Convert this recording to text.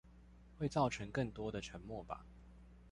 會造成更多的沉默吧？